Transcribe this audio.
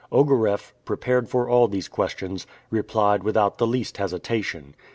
Ogareff, prepared for all these questions, replied without the least hesitation.